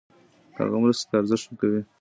هغه مرستې ته ارزښت ورکوي.